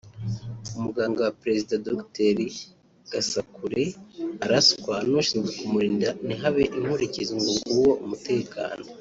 Muganga wa perezida (Dr Gasakure) araswa nushinzwe kumurinda ntihabe inkurikizi ngo nguwo umutekano